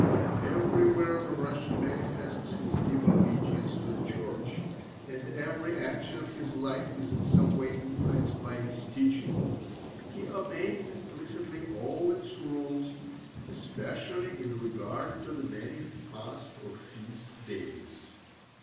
Everywhere the Russian manifests his deep allegiance to the Church, and every action of his life is in some way influenced by its teaching. He obeys implicitly all its rules, especially in regard to the many fast or feast days.